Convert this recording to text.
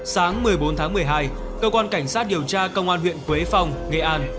sáng một mươi bốn tháng một mươi hai cơ quan cảnh sát điều tra công an huyện quế phong nghệ an